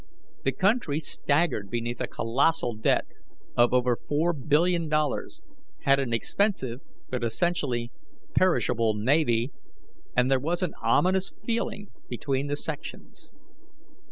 The country staggered beneath a colossal debt of over $4,000,000,000, had an expensive but essentially perishable navy, and there was an ominous feeling between the sections.